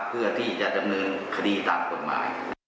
เพื่อที่จะดำเนินคดีตามกฎหมาย